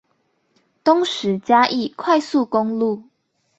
東石嘉義快速公路